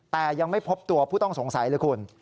แต่ยังไม่พบตัวผู้ต้องสงสัยเลยคุณ